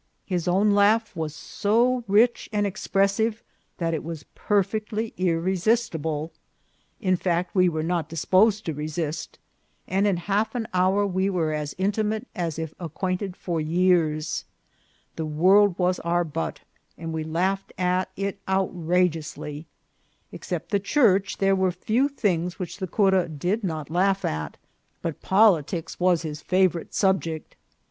His own laugh was so rich and expressive that it was perfectly irresistible. In fact, we were not disposed to resist, and in half an hour we were as intimate as if acquainted for years. The world was our butt, and we laughed at it outra geously. Except the Church, there were few things which the cur a did not laugh at ; but politics was his fa 16 182 INCIDENTS OF TRAVEL. vourite subject.